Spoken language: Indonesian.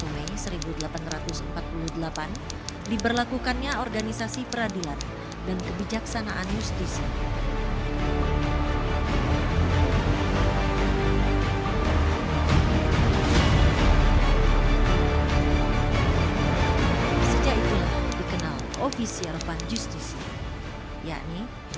satu mei seribu delapan ratus empat puluh delapan diberlakukannya organisasi peradilan dan kebijaksanaan justisi